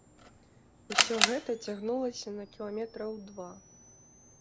Усё гэта цягнулася на кіламетраў два.